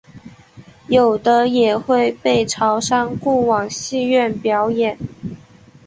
有的也会被潮商雇往戏园表演。